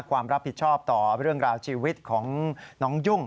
ความรับผิดชอบต่อเรื่องราวชีวิตของน้องยุ่ง